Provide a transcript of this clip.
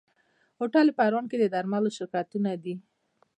هوټل پروان کې د درملو شرکتونه دي.